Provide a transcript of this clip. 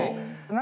何？